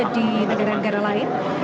di negara negara lain